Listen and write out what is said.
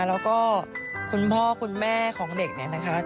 แล้วก็คุณพ่อคุณแม่ของเด็กเนี่ยนะคะ